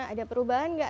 ada perubahan nggak